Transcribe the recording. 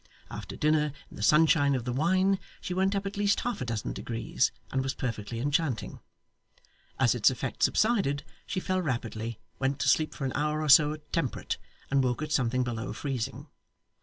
After dinner, in the sunshine of the wine, she went up at least half a dozen degrees, and was perfectly enchanting. As its effect subsided, she fell rapidly, went to sleep for an hour or so at temperate, and woke at something below freezing.